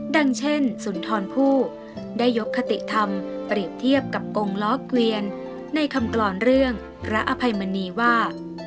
ดังเช่นสุนทรผู้ได้ยกคติธรรมเปรียบเทียบกับกงล้อเกวียนในคำกรอนเรื่องพระอภัยมณีว่า